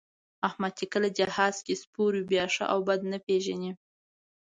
احمد چې کله جهاز کې سپور وي، بیا ښه او بد نه پېژني.